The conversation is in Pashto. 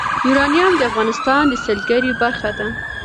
یورانیم د افغانستان د سیلګرۍ برخه ده.